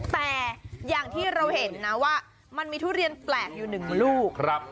แต่อย่างที่เราเห็นนะว่ามันมีทุเรียนแปลกอยู่หนึ่งลูก